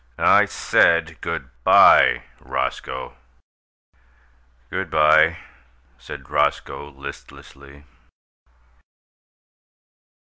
"I said good by, Roscoe." "Good by," said Roscoe, listlessly.